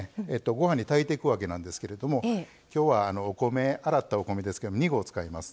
ご飯に炊いていくわけなんですけれどもきょうは洗ったお米ですけど２合使います。